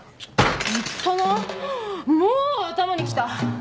もう頭に来た！